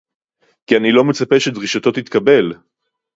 כי אני לא מצפה שדרישתו תתקבל